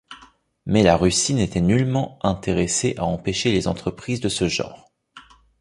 Mais la Russie n'était nullement intéressée à empêcher les entreprises de ce genre.